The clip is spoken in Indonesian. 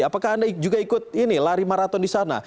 apakah anda juga ikut ini lari maraton di sana